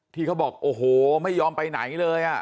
ที่เขาบอกโอ้โหไม่ยอมไปไหนเลย